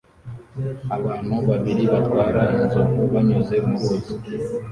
Abantu babiri batwara inzovu banyuze mu ruzi